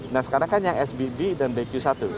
nah sekarang kan yang sbb dan bq satu